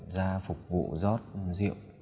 ra phục vụ giót rượu